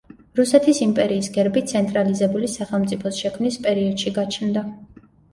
რუსეთის იმპერიის გერბი ცენტრალიზებული სახელმწიფოს შექმნის პერიოდში გაჩნდა.